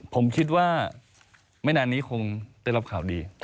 ผมคิดว่าไม่นานนี้คงได้รับข่าวดี